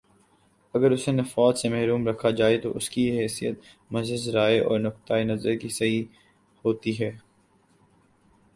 اگر اسے نفاذ سے محروم رکھا جائے تو اس کی حیثیت محض رائے اور نقطۂ نظر کی سی ہوتی ہے